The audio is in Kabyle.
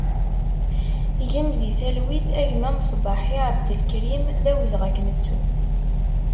Gen di talwit a gma Mesbaḥ Abdelkrim, d awezɣi ad k-nettu!